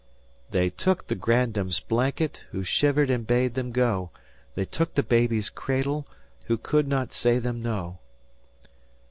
"They took the grandma's blanket, Who shivered and bade them go; They took the baby's cradle, Who could not say them no."